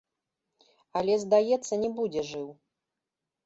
Але здаецца, не будзе жыў.